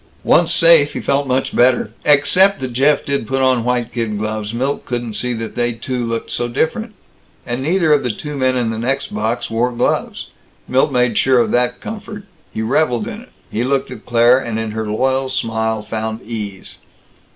Once safe, he felt much better. Except that Jeff did put on white kid gloves, Milt couldn't see that they two looked so different. And neither of the two men in the next box wore gloves. Milt made sure of that comfort; he reveled in it; he looked at Claire, and in her loyal smile found ease.